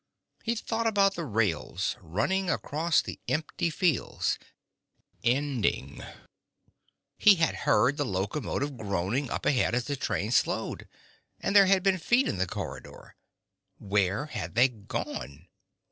He thought about the rails, running across the empty fields, ending ... He had heard the locomotive groaning up ahead as the train slowed. And there had been feet in the corridor. Where had they gone?